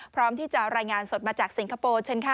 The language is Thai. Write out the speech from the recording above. พร้อมที่จะรายงานสดมาจากสิงคโปร์เชิญค่ะ